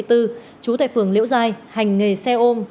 trú tại phường liễu giai hành nghề xe ôm